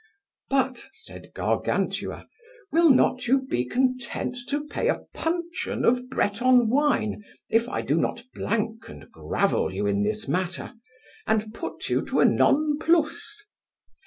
But, said Gargantua, will not you be content to pay a puncheon of Breton wine, if I do not blank and gravel you in this matter, and put you to a non plus?